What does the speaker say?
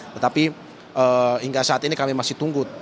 tetapi hingga saat ini kami masih tunggu